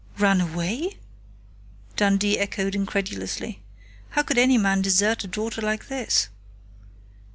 "Ran away?" Dundee echoed incredulously. How could any man desert a daughter like this!